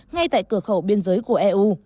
ngay tại cửa khẩu biên giới của eu